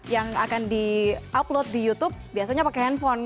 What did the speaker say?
yang akan di upload di youtube biasanya pakai handphone